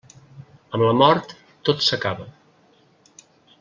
Amb la mort tot s'acaba.